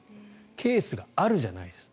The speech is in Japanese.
ケースがあるじゃないです